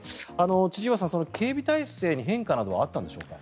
千々岩さん、警備体制に変化などはあったんでしょうか？